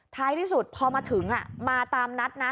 ท้ายที่สุดพอมาถึงมาตามนัดนะ